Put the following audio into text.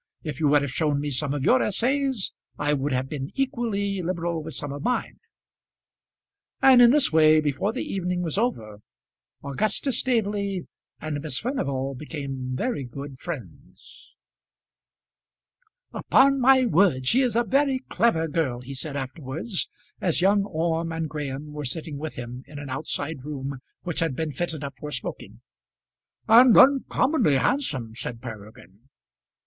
If you would have shown me some of your essays, I would have been equally liberal with some of mine." And in this way, before the evening was over, Augustus Staveley and Miss Furnival became very good friends. "Upon my word she is a very clever girl," he said afterwards, as young Orme and Graham were sitting with him in an outside room which had been fitted up for smoking. "And uncommonly handsome," said Peregrine.